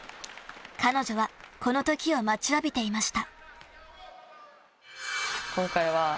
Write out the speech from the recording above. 彼女はこのときを待ちわびていました。